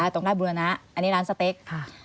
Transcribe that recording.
ตรงราชบุรณะอันนี้ร้านสเต็ก